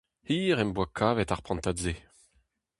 Hir em boa kavet ar prantad-se.